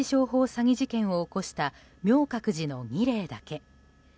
詐欺事件を起こした明覚寺の２例だけ。